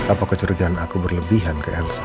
apa kecurigaan aku berlebihan ke elsa